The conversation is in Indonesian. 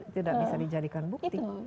tidak bisa dijadikan bukti